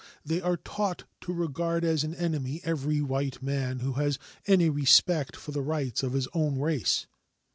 They are taught to regard as an enemy every white man who has any respect for the rights of his own race.